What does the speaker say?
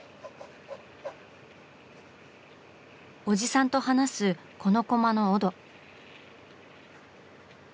おじさんと話すこのコマのオド。